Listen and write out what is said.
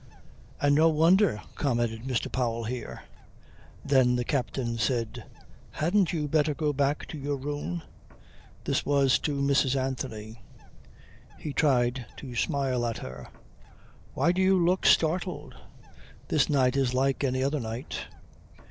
"And no wonder," commented Mr. Powell here. Then the captain said, "Hadn't you better go back to your room." This was to Mrs. Anthony. He tried to smile at her. "Why do you look startled? This night is like any other night."